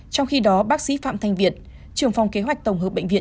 trong khi đó bác sĩ phạm thanh việt trường phòng kế hoạch tổng hợp bệnh viện